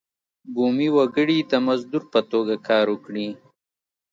بومي وګړي د مزدور په توګه کار وکړي.